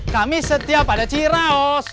kami setia pada ciraos